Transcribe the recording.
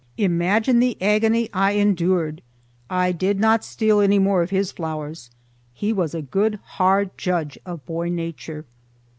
Imagine the agony I endured! I did not steal any more of his flowers. He was a good hard judge of boy nature.